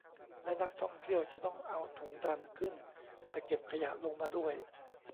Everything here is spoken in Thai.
และนักท่องเที่ยวจะต้องเอาถุงดำขึ้นไปเก็บขยะลงมาด้วย